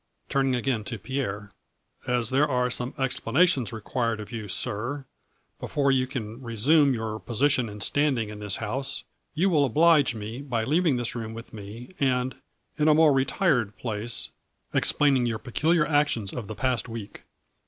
Turning again to Pierre, " As there are some explanations required of you, sir, before you can resume your position and standing in this house, you will oblige me by leaving this room with me, and, in a more retired place, explaining your peculiar actions of the past week."